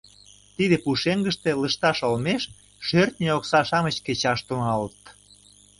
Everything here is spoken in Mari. Тиде пушеҥгыште лышташ олмеш шӧртньӧ окса-шамыч кечаш тӱҥалыт.